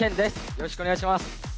よろしくお願いします。